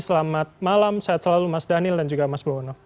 selamat malam sehat selalu mas daniel dan juga mas bloono